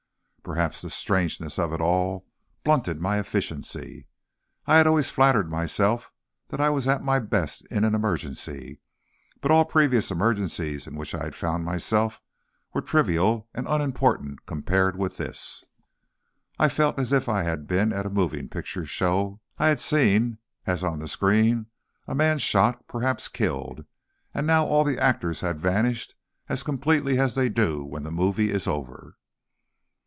Perhaps the strangeness of it all blunted my efficiency. I had always flattered myself that I was at my best in an emergency, but all previous emergencies in which I had found myself were trivial and unimportant compared with this. I felt as if I had been at a moving picture show. I had seen, as on the screen, a man shot, perhaps killed, and now all the actors had vanished as completely as they do when the movie is over.